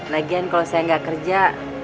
lagian kalau saya nggak kerja